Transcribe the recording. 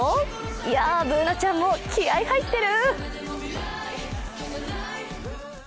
いや、Ｂｏｏｎａちゃんも気合い入ってる。